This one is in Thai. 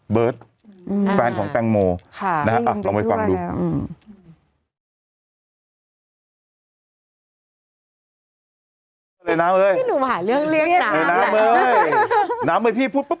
สำคัญละครับเดินมาเรื่องเบิร์ตแฟนของแกงโม